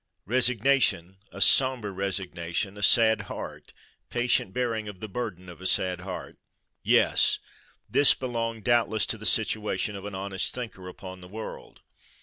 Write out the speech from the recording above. Resignation, a sombre resignation, a sad heart, patient bearing of the burden of a sad heart:—Yes! this belonged doubtless to the situation of an honest thinker upon the world.